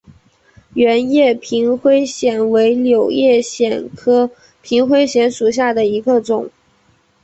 圆叶平灰藓为柳叶藓科平灰藓属下的一个种。